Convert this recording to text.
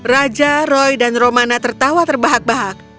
raja roy dan romana tertawa terbahak bahak